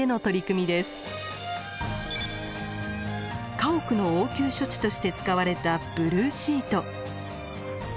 家屋の応急処置として使われたブルーシート。